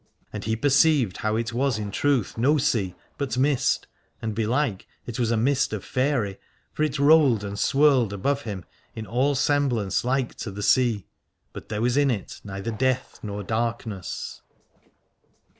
And he perceived how it was in truth no sea but mist, and belike it was a mist of faery, for it rolled and swirled above him in all semblance like to the sea, but there was in it neither death nor darkness.